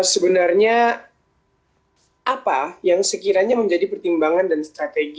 sebenarnya apa yang sekiranya menjadi pertimbangan dan strategi